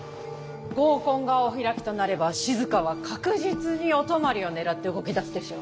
合コンがお開きとなればしずかは確実にお泊まりを狙って動きだすでしょう。